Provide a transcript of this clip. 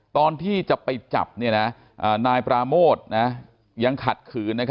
ตอนที่จะไปจับนายปราโมทยังขัดขืน